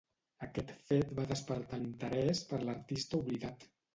Aquest fet va despertar l'interès per l'artista oblidat.